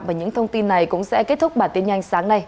và những thông tin này cũng sẽ kết thúc bản tin nhanh sáng nay